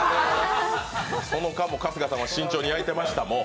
その間も春日さんは慎重に焼いてました。